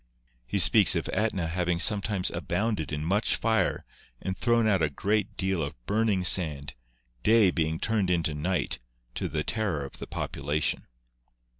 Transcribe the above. He speaks of iEtna hav ing sometimes abounded in much fire and thrown out a great deal of burning sand, day being turned into night, to the terror of the population.